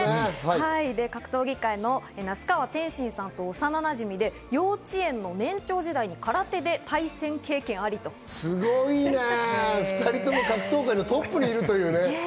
格闘技界の那須川天心さんと幼なじみで、幼稚園の年長時代にはすごいね、２人とも格闘界のトップにいるという。